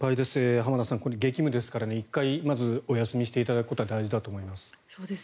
浜田さん、これ激務ですからね１回、まずお休みしていただくことは大事だと思います。